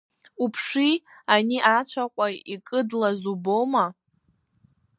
Уԥши, ани ацәаҟәа икыдлаз убома?